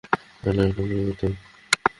শালা, এক নম্বরের মিথ্যুক।